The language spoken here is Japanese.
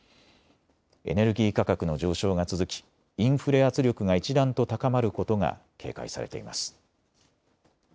エネルギー価格の上昇が続きインフレ圧力が一段と高まることが警戒されています。